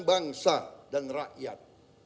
bangsa dan rakyat